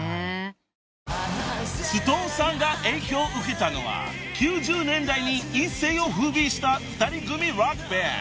［須藤さんが影響を受けたのは９０年代に一世を風靡した２人組ロックバンド］